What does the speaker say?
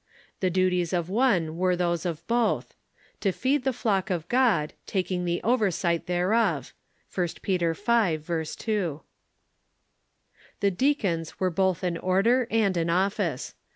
The du ties of one were those of both :" To feed the flock of God ... taking the oversight thereof" (1 Peter v. 2). The deacons were both an order and an office.